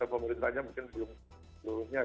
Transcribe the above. pemerintahnya mungkin belum seluruhnya